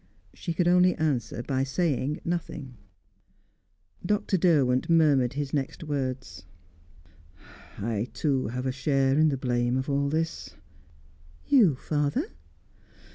She could only answer by saying nothing. Dr. Derwent murmured his next words. "I, too, have a share in the blame of all this." "You, father?"